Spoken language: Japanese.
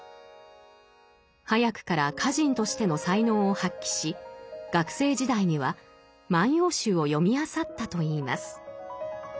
早くから歌人としての才能を発揮し学生時代には「万葉集」を読みあさったといいます。